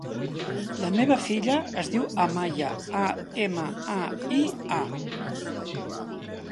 La meva filla es diu Amaia: a, ema, a, i, a.